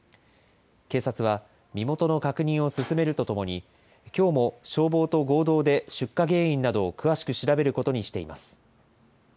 警察は、身元の確認を進めるとともに、きょうも消防と合同で、出火原因などを詳しく調べることにしています。